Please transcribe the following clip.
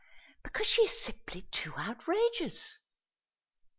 "Because she is simply too outrageous!"